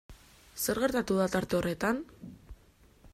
Zer gertatu da tarte horretan?